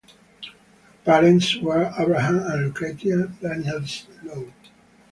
Her parents were Abraham and Lucretia (Daniels) Low.